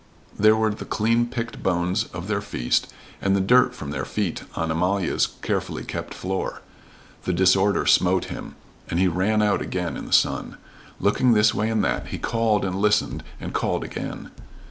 There were the clean picked bones of their feast and the dirt from their feet on Amalia's carefully kept floor. The disorder smote him, and he ran out again in the sun. Looking this way and that, he called and listened and called again.